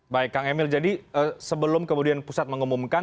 baik kang emil jadi sebelum kemudian pusat mengumumkan